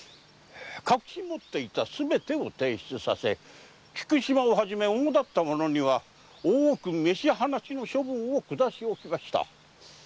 隠し持っていたすべてを提出させ菊島をはじめおもだった者には大奥召し放ちの処分を下し置きました。